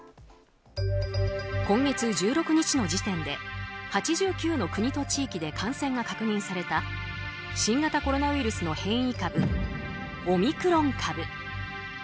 今月１６日の時点で８９の国と地域で感染が確認された新型コロナウイルスの変異株オミクロン株。